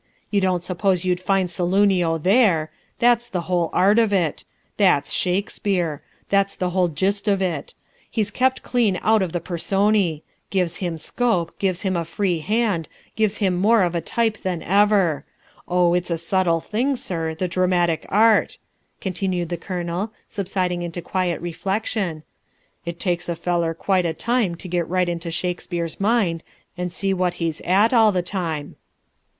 "You don't suppose you'd find Saloonio there! That's the whole art of it! That's Shakespeare! That's the whole gist of it! He's kept clean out of the Personae gives him scope, gives him a free hand, makes him more of a type than ever. Oh, it's a subtle thing, sir, the dramatic art!" continued the Colonel, subsiding into quiet reflection; "it takes a feller quite a time to get right into Shakespeare's mind and see what he's at all the time."